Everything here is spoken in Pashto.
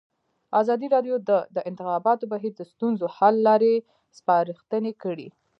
ازادي راډیو د د انتخاباتو بهیر د ستونزو حل لارې سپارښتنې کړي.